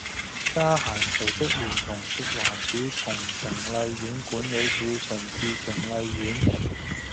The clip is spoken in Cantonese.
嘉嫻隨即聯同食環署同瓊麗苑管理處巡視瓊麗苑